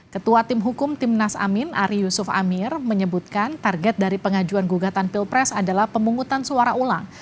ketua tim hukum timnas amin ari yusuf amir menyebutkan target dari pengajuan gugatan pilpres adalah pemungutan suara ulang